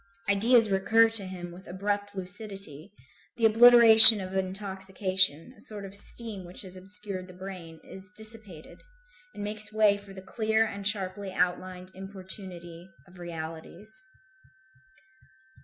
Ideas recur to him with abrupt lucidity; the obliteration of intoxication, a sort of steam which has obscured the brain, is dissipated, and makes way for the clear and sharply outlined importunity of realities.